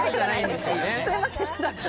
すみません。